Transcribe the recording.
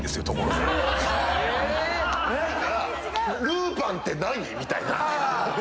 るーぱんって何⁉みたいな。